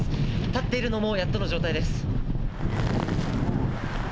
立っているのもやっとの状態です。